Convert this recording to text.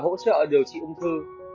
phòng ngừa và hỗ trợ điều trị ung thư